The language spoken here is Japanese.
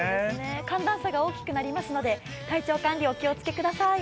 寒暖差が大きくなりますので体調管理、お気をつけください。